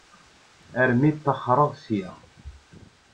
Armi ṭṭaxreɣ ssya.